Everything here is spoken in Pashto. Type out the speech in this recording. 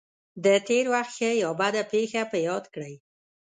د تېر وخت ښه یا بده پېښه په یاد کړئ.